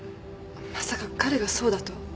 まさか彼がそうだと？